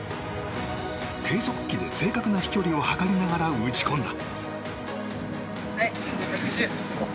計測器で正確な飛距離を測りながら打ち込んだ。